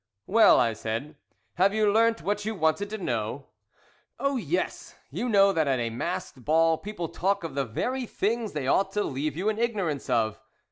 "Well," I said, "have you learnt what you wanted to know?" "Oh, yes! You know that at a masked ball people talk of the very things they ought to leave you in ignorance of."